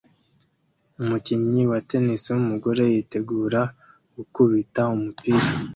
Umukinnyi wa tennis wumugore yiteguye gukubita umupira